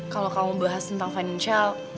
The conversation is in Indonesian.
kalau kamu bahas tentang financial